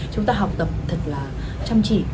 chúng ta học tập thật là chăm chỉ